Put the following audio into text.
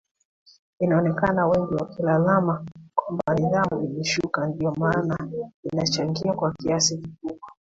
inaonekana wengi wakilalama kwamba nidhamu imeshuka ndio maana inachangia kwa kiasi kikubwa